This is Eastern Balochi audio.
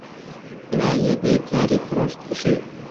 پدا آئی ءَبے تواری پرٛوشت ءُگوٛشت